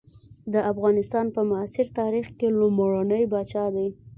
د افغانستان په معاصر تاریخ کې لومړنی پاچا دی.